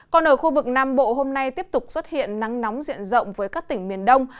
còn ở khu vực nam bộ hôm nay tiếp tục xuất hiện nắng nóng diện rộng với các tỉnh miền đông